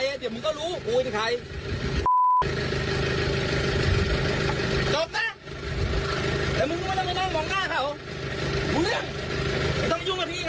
มีคลิปออกมาซึ่งเชื่อว่าคนคุณผู้ชมไปดูคลิปที่เกิดเหตุกันก่อนค่ะ